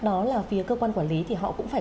đó là phía cơ quan quản lý thì họ cũng phải